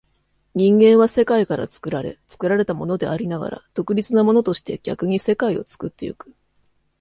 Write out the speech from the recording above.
人間は世界から作られ、作られたものでありながら独立なものとして、逆に世界を作ってゆく。